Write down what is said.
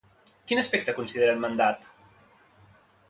Quin aspecte consideren mandat?